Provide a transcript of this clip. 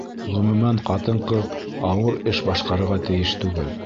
Ғөмүмән, ҡатын-ҡыҙ ауыр эш башҡарырға тейеш түгел.